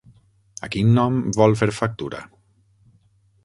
A quin nom vol fer factura?